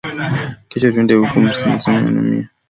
Kesho twende uka nilimishe na mie